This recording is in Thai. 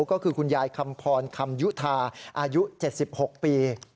ก็คือคุณยายคำพรคำยุธาอายุ๗๖ปี